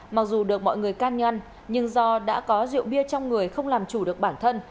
mặc dù được mọi người can ngăn nhưng do đã có rượu bia trong người không làm chủ được bản thân